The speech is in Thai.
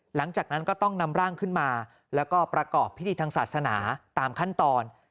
หลังจากนั้นก็ต้องนำร่างขึ้นมาแล้วก็ประกอบพิธีทางศาสนาตามขั้นตอน